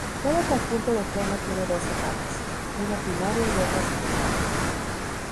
Cada conjunto de freno tiene dos zapatas, una primaria y otra secundaria.